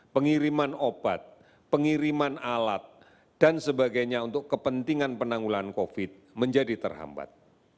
pengiriman obat pengiriman alat dan sebagainya untuk kepentingan penanggulan covid menjadi terhambat